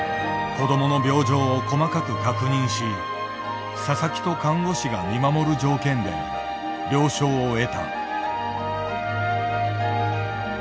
子どもの病状を細かく確認し佐々木と看護師が見守る条件で了承を得た。